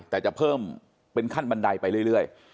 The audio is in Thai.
แต่จะเพิ่มเป็นขั้นบันไดไปเรื่อย